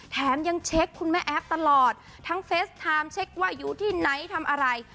แถมยังเช็คคุณแม่แอฟตลอดทั้งเฟสไทม์เช็คว่าอยู่ที่ไหนทำอะไร